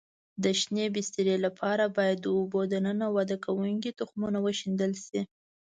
د شینې بسترې لپاره باید د اوبو دننه وده کوونکو تخمونه وشیندل شي.